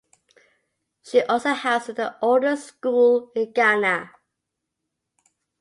She also has the oldest school in Ghana.